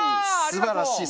すばらしい。